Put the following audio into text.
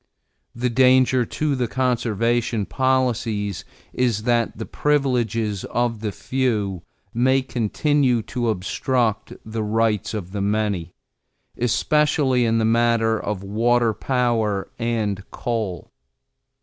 The danger to the Conservation policies is that the privileges of the few may continue to obstruct the rights of the many, especially in the matter of water power and coal.